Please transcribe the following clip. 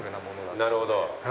なるほど。